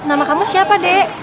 nama kamu siapa dek